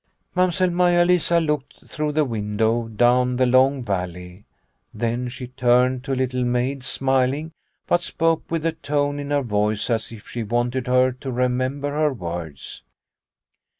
Mamsell Maia Lisa looked through the window down the long valley. Then she turned to Little Maid smiling, but spoke with a tone in her voice as if she wanted her to remember her words.